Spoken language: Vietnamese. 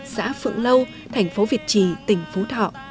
xã phượng lâu thành phố việt trì tỉnh phú thọ